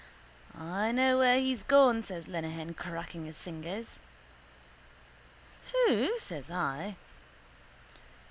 —I know where he's gone, says Lenehan, cracking his fingers. —Who? says I.